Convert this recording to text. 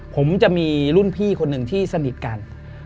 ผมจะมีรุ่นพี่คนหนึ่งที่สนิทกัน